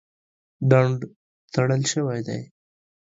ډنډ تړل شوی دی.